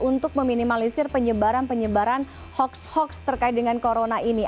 untuk meminimalisir penyebaran penyebaran hoax hoax terkait dengan corona ini